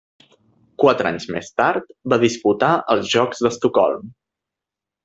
Quatre anys més tard va disputar els Jocs d'Estocolm.